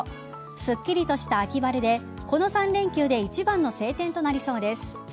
すっきりとした秋晴れでこの３連休で一番の晴天となりそうです。